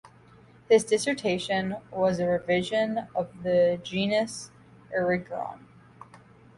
His dissertation was a revision of the genus "Erigeron".